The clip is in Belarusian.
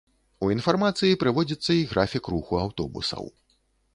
У інфармацыі прыводзіцца і графік руху аўтобусаў.